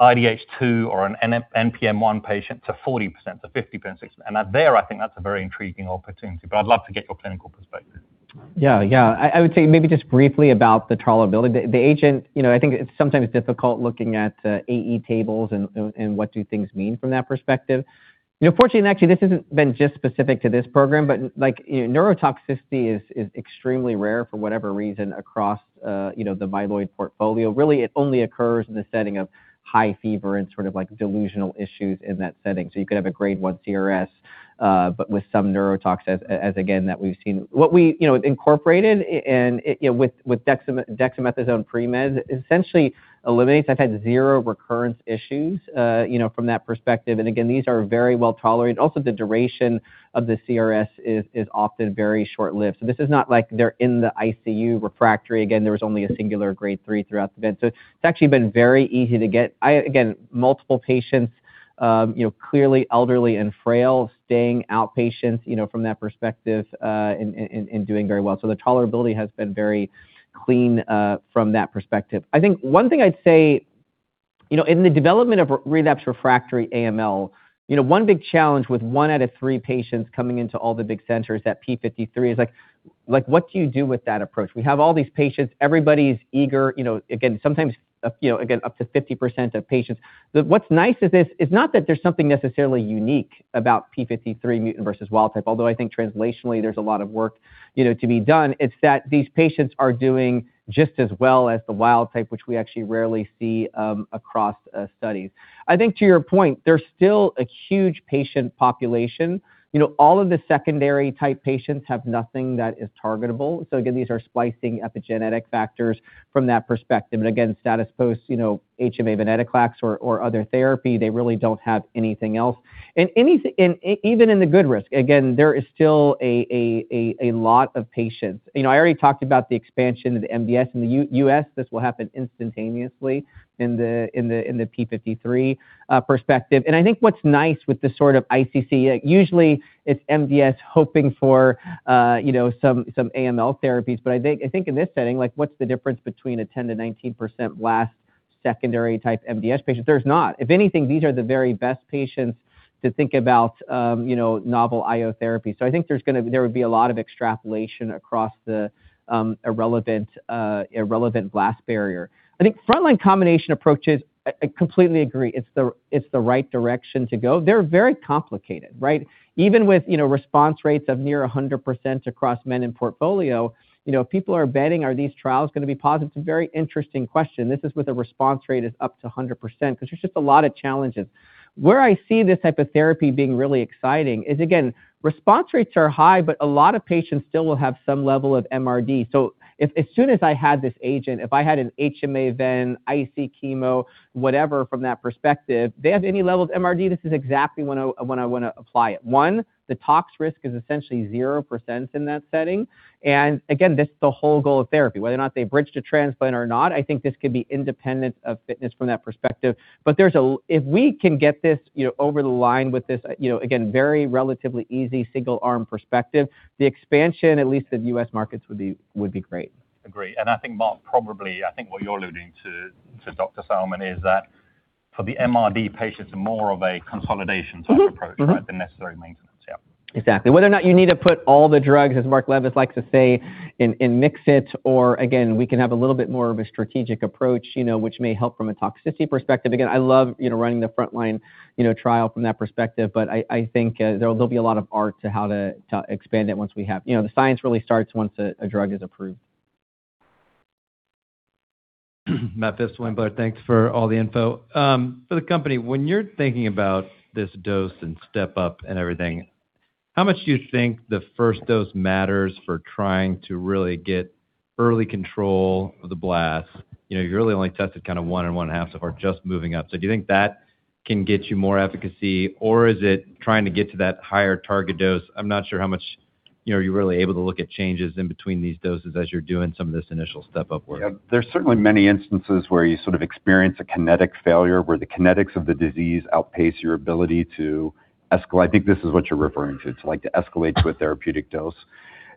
S1: IDH2 or an NPM1 patient to 40%, 50%, 60%? There, I think that's a very intriguing opportunity, but I'd love to get your clinical perspective.
S3: Yeah, yeah. I would say maybe just briefly about the tolerability. The agent, you know, I think it's sometimes difficult looking at AE tables and what do things mean from that perspective. You know, fortunately, actually this hasn't been just specific to this program, but like neurotoxicity is extremely rare for whatever reason across, you know, the myeloid portfolio. Really, it only occurs in the setting of high fever and sort of like delusional issues in that setting. So you could have a Grade 1 CRS, but with some neurotoxicity, as again that we've seen. What we, you know, incorporated and with dexamethasone premed essentially eliminates. I've had zero recurrence issues, you know, from that perspective. And again, these are very well tolerated. Also, the duration of the CRS is often very short-lived. So this is not like they're in the ICU refractory. Again, there was only a singular Grade 3 throughout the event. So it's actually been very easy to get, again, multiple patients, you know, clearly elderly and frail, staying outpatients, you know, from that perspective and doing very well. So the tolerability has been very clean from that perspective. I think one thing I'd say, you know, in the development of relapsed/refractory AML, you know, one big challenge with one out of three patients coming into all the big centers at p53 is like, like what do you do with that approach? We have all these patients, everybody's eager, you know, again, sometimes, you know, again, up to 50% of patients. What's nice is this, it's not that there's something necessarily unique about p53 mutant versus wild type, although I think translationally there's a lot of work, you know, to be done. It's that these patients are doing just as well as the wild type, which we actually rarely see across studies. I think to your point, there's still a huge patient population. You know, all of the secondary type patients have nothing that is targetable. So again, these are splicing epigenetic factors from that perspective. And again, status post, you know, HMA venetoclax or other therapy, they really don't have anything else. And even in the good risk, again, there is still a lot of patients. You know, I already talked about the expansion of the MDS in the US. This will happen instantaneously in the p53 perspective. And I think what's nice with this sort of ICC, usually it's MDS hoping for, you know, some AML therapies, but I think in this setting, like what's the difference between a 10%-19% blast secondary type MDS patients? There's not. If anything, these are the very best patients to think about, you know, novel IO therapy. So I think there's going to, there would be a lot of extrapolation across the 20% blast barrier. I think frontline combination approaches, I completely agree. It's the right direction to go. They're very complicated, right? Even with, you know, response rates of near 100% across menin portfolio, you know, if people are betting, are these trials going to be positive? It's a very interesting question. This is with a response rate as up to 100% because there's just a lot of challenges. Where I see this type of therapy being really exciting is again, response rates are high, but a lot of patients still will have some level of MRD. So as soon as I had this agent, if I had an HMA venetoclax, IC chemo, whatever from that perspective, they have any level of MRD, this is exactly when I want to apply it. One, the tox risk is essentially 0% in that setting. And again, this is the whole goal of therapy. Whether or not they bridge to transplant or not, I think this could be independent of fitness from that perspective. But there's a, if we can get this, you know, over the line with this, you know, again, very relatively easy single-arm perspective, the expansion, at least the U.S. markets would be great.
S1: Agreed. And I think Mark probably, I think what you're alluding to, to Dr. Sallman is that for the MRD patients, it's more of a consolidation type approach, right? Than necessary maintenance. Yeah.
S3: Exactly. Whether or not you need to put all the drugs, as Mark Levis likes to say, and mix it, or again, we can have a little bit more of a strategic approach, you know, which may help from a toxicity perspective. Again, I love, you know, running the frontline, you know, trial from that perspective, but I think there'll be a lot of art to how to expand it once we have, you know, the science really starts once a drug is approved.
S5: Matt Phipps, but thanks for all the info. For the company, when you're thinking about this dose and step-up and everything, how much do you think the first dose matters for trying to really get early control of the blast? You know, you're really only tested kind of one and one half so far, just moving up. So do you think that can get you more efficacy or is it trying to get to that higher target dose? I'm not sure how much, you know, you're really able to look at changes in between these doses as you're doing some of this initial step-up work.
S2: There's certainly many instances where you sort of experience a kinetic failure where the kinetics of the disease outpace your ability to escalate. I think this is what you're referring to, to like to escalate to a therapeutic dose.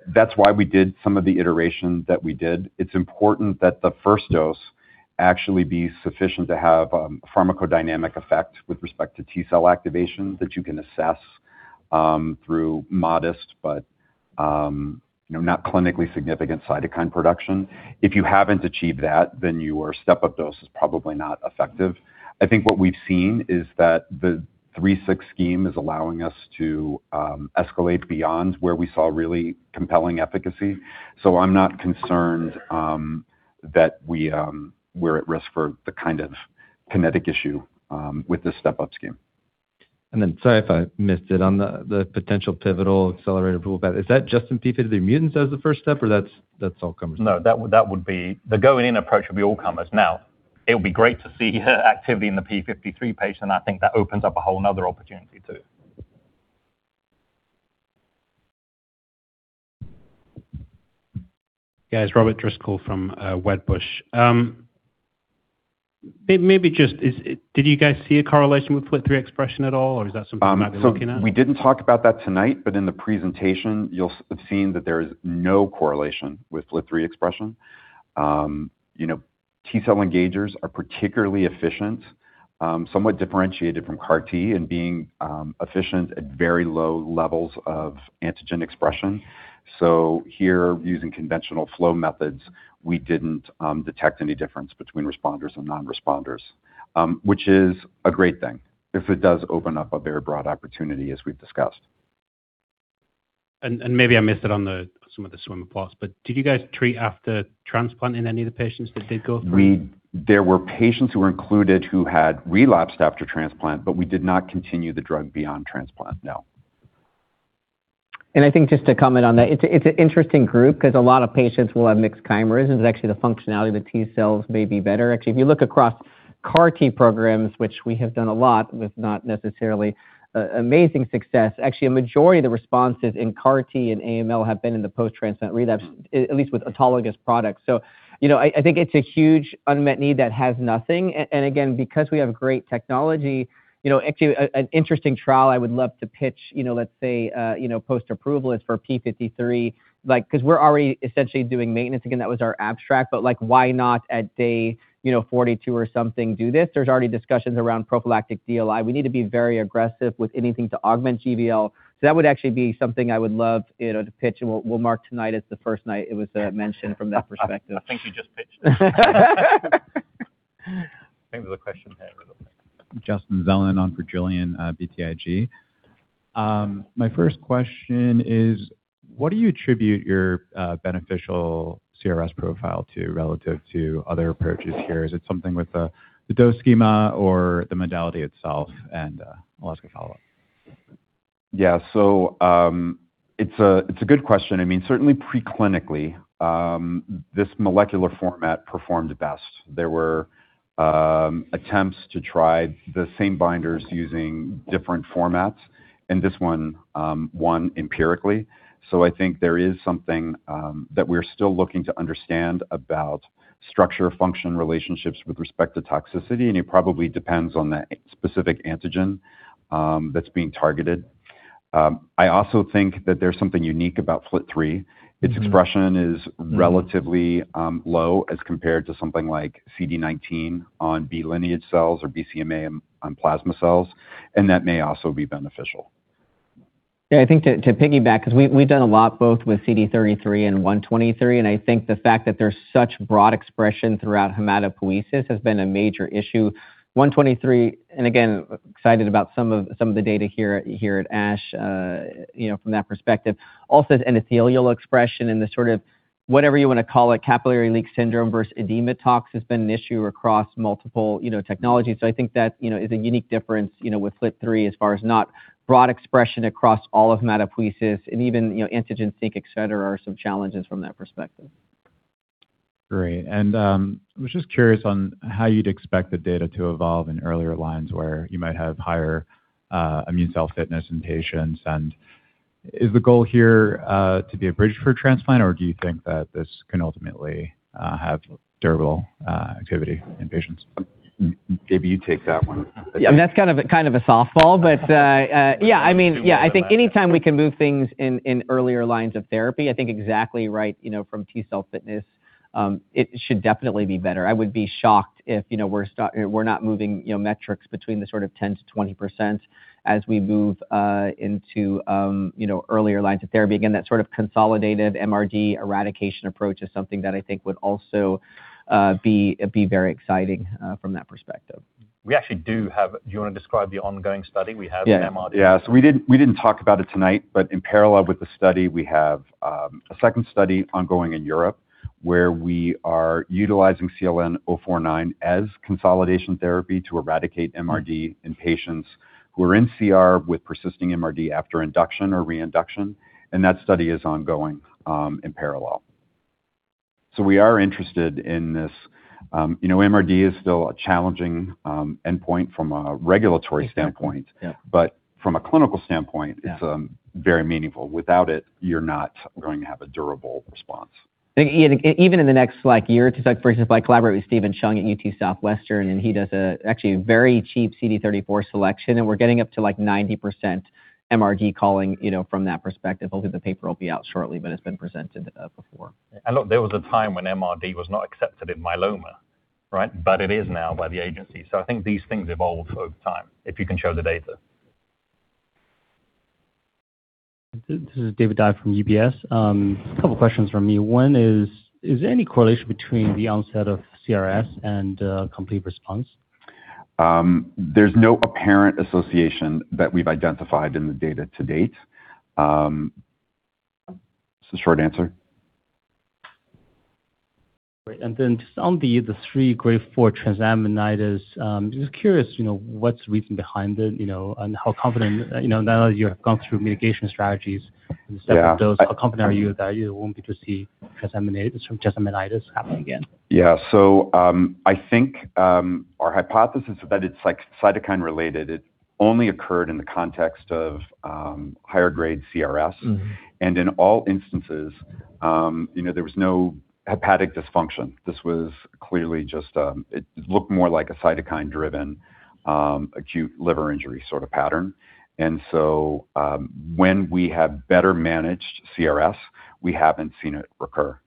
S2: That's why we did some of the iteration that we did. It's important that the first dose actually be sufficient to have a pharmacodynamic effect with respect to T-cell activation that you can assess through modest, but you know, not clinically significant cytokine production. If you haven't achieved that, then your step-up dose is probably not effective. I think what we've seen is that the 3/6 scheme is allowing us to escalate beyond where we saw really compelling efficacy. So I'm not concerned that we're at risk for the kind of kinetic issue with the step-up scheme.
S5: And then sorry if I missed it on the potential pivotal accelerated approval path. Is that just in TP53 mutants as the first step or that's all comers?
S2: No, that would be the going in approach would be all comers. Now, it would be great to see activity in the TP53 patients. I think that opens up a whole nother opportunity too.
S6: Guys, Robert Driscoll from Wedbush. Maybe just, did you guys see a correlation with FLT3 expression at all or is that something you're not looking at?
S2: We didn't talk about that tonight, but in the presentation, you'll have seen that there is no correlation with FLT3 expression. You know, T-cell engagers are particularly efficient, somewhat differentiated from CAR-T in being efficient at very low levels of antigen expression. So here, using conventional flow methods, we didn't detect any difference between responders and non-responders, which is a great thing if it does open up a very broad opportunity as we've discussed.
S6: And maybe I missed it on some of the swimmer plots, but did you guys treat after transplant in any of the patients that did go through?
S2: There were patients who were included who had relapsed after transplant, but we did not continue the drug beyond transplant. No.
S3: And I think just to comment on that, it's an interesting group because a lot of patients will have mixed chimeras and it's actually the functionality of the T-cells may be better. Actually, if you look across CAR-T programs, which we have done a lot with not necessarily amazing success, actually a majority of the responses in CAR-T and AML have been in the post-transplant relapse, at least with autologous products. So, you know, I think it's a huge unmet need that has nothing. And again, because we have great technology, you know, actually an interesting trial I would love to pitch, you know, let's say, you know, post-approval is for TP53, like because we're already essentially doing maintenance. Again, that was our abstract, but like why not at day 42 or something do this? There's already discussions around prophylactic DLI. We need to be very aggressive with anything to augment GVL. So that would actually be something I would love, you know, to pitch. And we'll mark tonight as the first night it was mentioned from that perspective.
S2: I think you just pitched it. I think there's a question here.
S7: Justin Zelin on for Julian, BTIG. My first question is, what do you attribute your beneficial CRS profile to relative to other approaches here? Is it something with the dose schema or the modality itself? And I'll ask a follow-up. Yeah, so it's a good question. I mean, certainly preclinically, this molecular format performed best. There were attempts to try the same binders using different formats, and this one won empirically. I think there is something that we're still looking to understand about structure-function relationships with respect to toxicity, and it probably depends on that specific antigen that's being targeted. I also think that there's something unique about FLT3. Its expression is relatively low as compared to something like CD19 on B-lineage cells or BCMA on plasma cells, and that may also be beneficial.
S3: Yeah, I think to piggyback, because we've done a lot both with CD33 and CD123, and I think the fact that there's such broad expression throughout hematopoiesis has been a major issue. CD123, and again, excited about some of the data here at ASH, you know, from that perspective. Also has endothelial expression and the sort of whatever you want to call it, capillary leak syndrome versus edema tox has been an issue across multiple, you know, technologies. So I think that, you know, is a unique difference, you know, with FLT3 as far as not broad expression across all of hematopoiesis and even, you know, antigen sink, et cetera, are some challenges from that perspective.
S7: Great. And I was just curious on how you'd expect the data to evolve in earlier lines where you might have higher immune cell fitness in patients. And is the goal here to be a bridge for transplant, or do you think that this can ultimately have durable activity in patients?
S2: Maybe you take that one.
S3: Yeah, that's kind of a softball, but yeah, I mean, yeah, I think anytime we can move things in earlier lines of therapy, I think exactly right, you know, from T-cell fitness, it should definitely be better. I would be shocked if, you know, we're not moving, you know, metrics between the sort of 10%-20% as we move into, you know, earlier lines of therapy. Again, that sort of consolidated MRD eradication approach is something that I think would also be very exciting from that perspective.
S1: We actually do have, do you want to describe the ongoing study we have in MRD?
S2: Yeah, so we didn't talk about it tonight, but in parallel with the study, we have a second study ongoing in Europe where we are utilizing CLN-049 as consolidation therapy to eradicate MRD in patients who are in CR with persisting MRD after induction or reinduction. And that study is ongoing in parallel. So we are interested in this. You know, MRD is still a challenging endpoint from a regulatory standpoint, but from a clinical standpoint, it's very meaningful. Without it, you're not going to have a durable response.
S3: Even in the next like year or two, for instance, I collaborate with Stephen Chung at UT Southwestern, and he does actually a very cheap CD34 selection, and we're getting up to like 90% MRD calling, you know, from that perspective. Hopefully the paper will be out shortly, but it's been presented before. There was a time when MRD was not accepted in myeloma, right? But it is now by the agency. So I think these things evolve over time if you can show the data.
S8: This is David Dai from UBS. A couple of questions from me. One is, is there any correlation between the onset of CRS and complete response?
S2: There's no apparent association that we've identified in the data-to-date. It's a short answer.
S8: Great. And then just on the three Grade 4 transaminitis, I'm just curious, you know, what's the reason behind it, you know, and how confident, you know, now that you have gone through mitigation strategies and the step-up dose, how confident are you that you won't be to see transaminitis happen again?
S2: Yeah, so I think our hypothesis is that it's like cytokine related. It only occurred in the context of higher grade CRS. And in all instances, you know, there was no hepatic dysfunction. This was clearly just, it looked more like a cytokine-driven acute liver injury sort of pattern. And so when we have better managed CRS, we haven't seen it recur.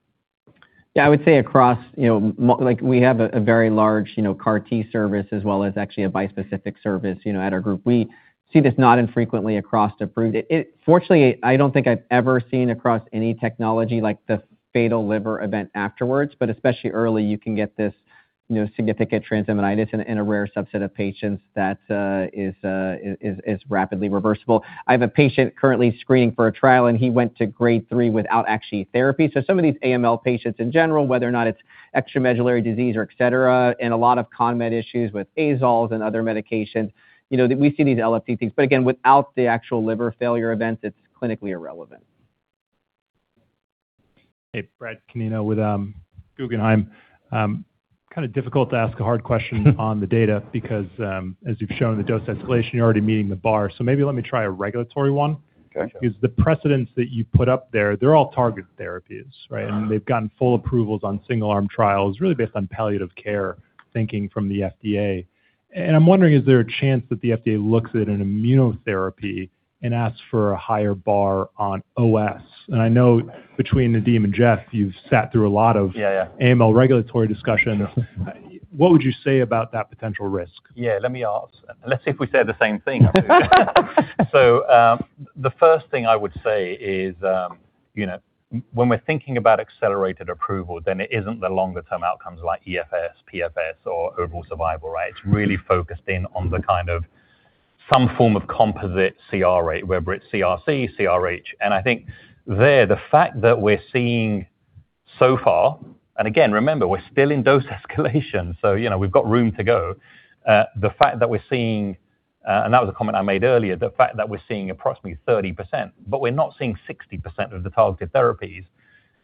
S3: Yeah, I would say across, you know, like we have a very large, you know, CAR-T service as well as actually a bispecific service, you know, at our group. We see this not infrequently across approved. Fortunately, I don't think I've ever seen across any technology like the fatal liver event afterwards, but especially early, you can get this, you know, significant transaminitis in a rare subset of patients that is rapidly reversible. I have a patient currently screening for a trial, and he went to Grade 3 without actually therapy. So some of these AML patients in general, whether or not it's extramedullary disease or et cetera, and a lot of comment issues with azoles and other medications, you know, we see these LFT things, but again, without the actual liver failure events, it's clinically irrelevant.
S9: Hey, Brad Canino, with Guggenheim. Kind of difficult to ask a hard question on the data because as you've shown the dose escalation, you're already meeting the bar. So maybe let me try a regulatory one.
S2: Okay.
S9: Because the precedents that you put up there, they're all targeted therapies, right? And they've gotten full approvals on single-arm trials, really based on palliative care thinking from the FDA. And I'm wondering, is there a chance that the FDA looks at an immunotherapy and asks for a higher bar on OS? And I know between Nadim and Jeff, you've sat through a lot of AML regulatory discussion. What would you say about that potential risk?
S1: Yeah, let me ask. Let's see if we say the same thing. So the first thing I would say is, you know, when we're thinking about accelerated approval, then it isn't the longer-term outcomes like EFS, PFS, or overall survival, right? It's really focused in on the kind of some form of composite CR rate, whether it's CRc, CRh. I think there, the fact that we're seeing so far, and again, remember, we're still in dose escalation. So, you know, we've got room to go. The fact that we're seeing, and that was a comment I made earlier, the fact that we're seeing approximately 30%, but we're not seeing 60% of the targeted therapies.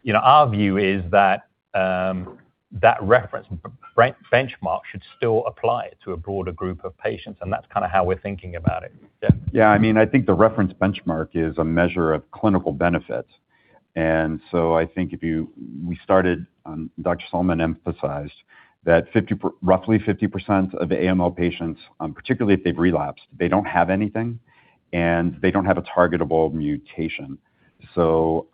S1: You know, our view is that that reference benchmark should still apply to a broader group of patients. And that's kind of how we're thinking about it.
S2: Yeah, I mean, I think the reference benchmark is a measure of clinical benefit. And so I think if you, we started, Dr. Sallman emphasized that roughly 50% of AML patients, particularly if they've relapsed, they don't have anything and they don't have a targetable mutation. So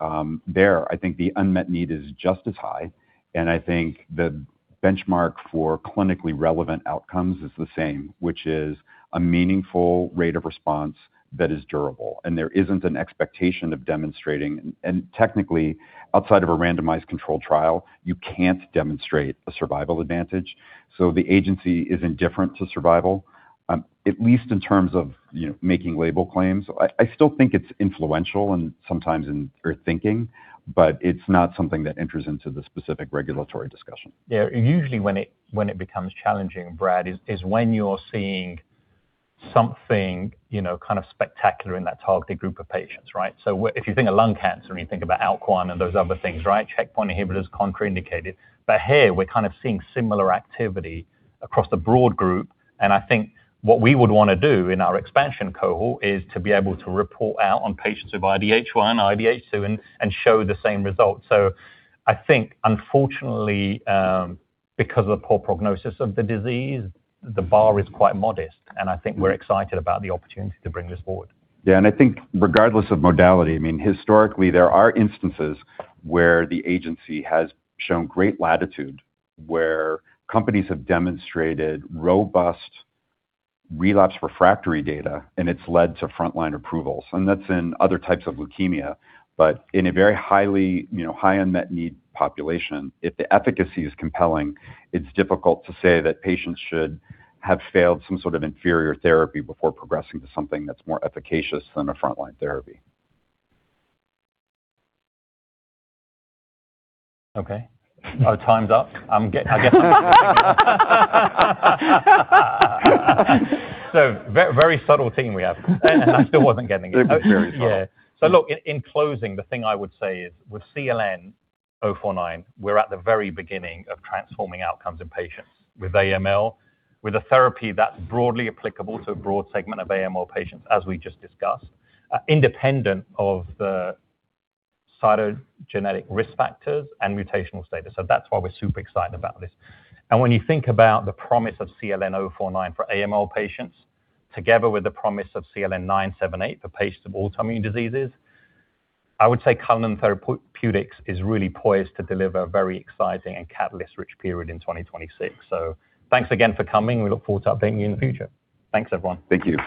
S2: there, I think the unmet need is just as high. I think the benchmark for clinically relevant outcomes is the same, which is a meaningful rate of response that is durable. And there isn't an expectation of demonstrating, and technically, outside of a randomized controlled trial, you can't demonstrate a survival advantage. So the agency is indifferent to survival, at least in terms of, you know, making label claims. I still think it's influential and sometimes in thinking, but it's not something that enters into the specific regulatory discussion.
S1: Yeah, usually when it becomes challenging, Brad, is when you're seeing something, you know, kind of spectacular in that targeted group of patients, right? So if you think of lung cancer and you think about ALK and those other things, right? Checkpoint inhibitors contraindicated. But here, we're kind of seeing similar activity across the broad group. And I think what we would want to do in our expansion cohort is to be able to report out on patients with IDH1, IDH2, and show the same results. So I think, unfortunately, because of the poor prognosis of the disease, the bar is quite modest. And I think we're excited about the opportunity to bring this forward.
S2: Yeah, and I think regardless of modality, I mean, historically, there are instances where the agency has shown great latitude, where companies have demonstrated robust relapsed/refractory data, and it's led to frontline approvals. And that's in other types of leukemia, but in a very high, you know, high unmet need population, if the efficacy is compelling, it's difficult to say that patients should have failed some sort of inferior therapy before progressing to something that's more efficacious than a frontline therapy.
S1: Okay. Our time's up, I guess. So, very subtle team we have. And I still wasn't getting it. Very subtle. Yeah. So look, in closing, the thing I would say is with CLN-049, we're at the very beginning of transforming outcomes in patients with AML, with a therapy that's broadly applicable to a broad segment of AML patients, as we just discussed, independent of the cytogenetic risk factors and mutational status. So that's why we're super excited about this. And when you think about the promise of CLN-049 for AML patients, together with the promise of CLN-978 for patients of autoimmune diseases, I would say Cullinan Therapeutics is really poised to deliver a very exciting and catalyst-rich period in 2026. So thanks again for coming. We look forward to updating you in the future. Thanks, everyone.
S2: Thank you.